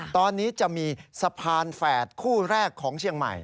ตอนนี้จะมีสะพานแฝดคู่แรกของเชียงใหม่